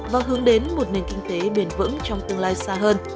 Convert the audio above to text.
và hướng đến một nền kinh tế bền vững trong tương lai xa hơn